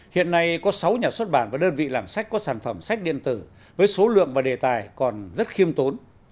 hiện nay có sáu nhà xuất bản và đơn vị làm sách có sản phẩm sách điện tử với số lượng và đề tài còn rất khiêm tốn